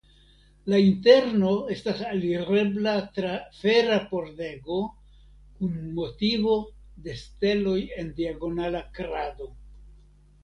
La interno estas alirebla tra fera pordego kun motivo de steloj en diagonala krado.